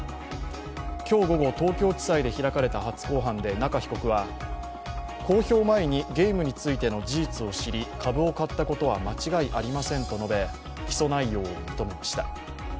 今日午後、東京地裁で開かれた初公判で中被告は公表前にゲームについての事実を知り、株を買ったことは間違いありませんと述べ起訴内容を認めました。